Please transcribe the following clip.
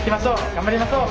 頑張りましょう！